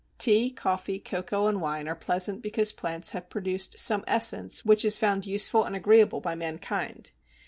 Tea, coffee, cocoa, and wine are pleasant because plants have produced some essence which is found useful and agreeable by mankind.